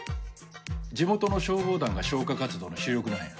地元の消防団が消火活動の主力なんや。